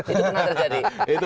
itu pernah terjadi